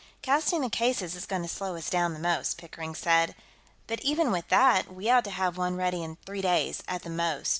"Casting the cases is going to slow us down the most," Pickering said. "But, even with that, we ought to have one ready in three days, at the most.